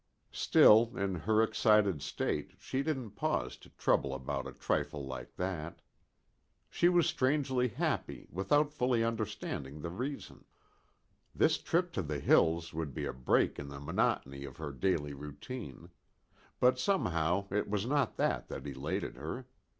Still, in her excited state, she didn't pause to trouble about a trifle like that. She was strangely happy without fully understanding the reason. This trip to the hills would be a break in the monotony of her daily routine. But somehow it was not that that elated her.